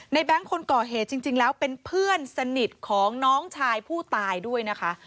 แบงค์คนก่อเหตุจริงแล้วเป็นเพื่อนสนิทของน้องชายผู้ตายด้วยนะคะ